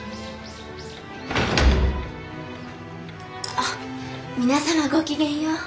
あっ皆様ごきげんよう。